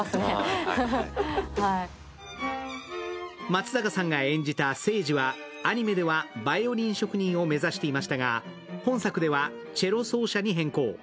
松坂さんが演じた聖司はアニメでは、ヴァイオリン職人を目指していましたが、本作ではチェロ奏者に変更。